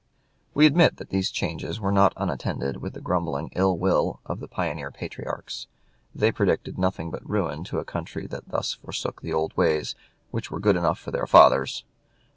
We admit that these changes were not unattended with the grumbling ill will of the pioneer patriarchs; they predicted nothing but ruin to a country that thus forsook the old ways "which were good enough for their fathers."